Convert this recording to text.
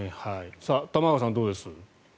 玉川さん、どうです？